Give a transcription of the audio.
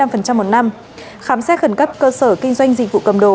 khám xét khẩn cấp cơ sở kinh doanh dịch vụ cầm đồ